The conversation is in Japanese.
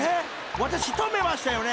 私止めましたよね？］